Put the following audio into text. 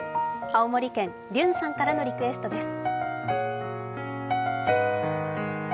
青森県、りゅんさんからのリクエストです。